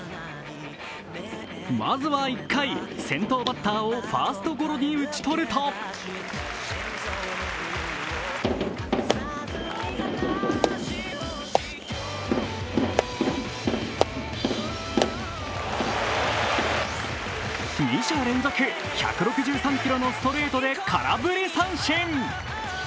まずは１回、先頭バッターをファーストゴロに打ち取ると２者連続１６３キロのストレートで空振り三振。